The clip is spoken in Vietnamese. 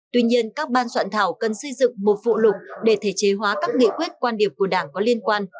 tuy nhiên các ban soạn thảo cần xây dựng một phụ lục để thể chế hóa các nghị quyết quan điểm của đảng có liên quan